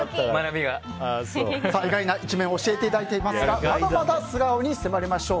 意外な一面を教えていただいていますがまだまだ素顔に迫りましょう。